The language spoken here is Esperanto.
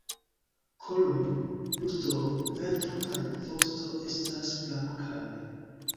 Kolo, brusto, ventro kaj vosto estas blankaj.